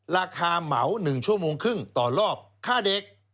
เหมา๑ชั่วโมงครึ่งต่อรอบค่าเด็ก